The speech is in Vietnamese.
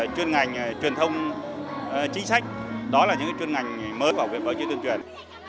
chuyên ngành truyền thông chính sách đó là những chuyên ngành mới của học viện báo chí tuyển truyền